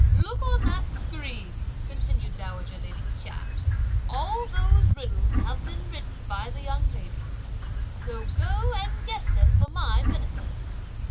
"Look on that screen!" continued dowager lady Chia, "all those riddles have been written by the young ladies; so go and guess them for my benefit!"